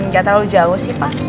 nggak terlalu jauh sih pak